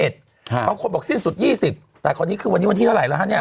ต้องคบออกสิ้นสุด๒๐แต่วันนี้คือวันนี้วันที่เท่าไหร่แล้ว